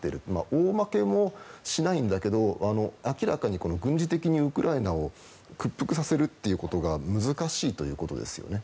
大負けもしないんだけど明らかに軍事的にウクライナを屈服させるということが難しいということですね。